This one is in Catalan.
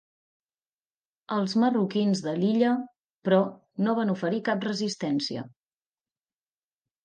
Els marroquins de l'illa, però, no van oferir cap resistència.